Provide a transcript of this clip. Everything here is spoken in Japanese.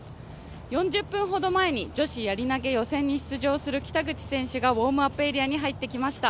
４０分ほど前に女子やり投げ予選に出場する北口選手がウォームアップエリアに入ってきました。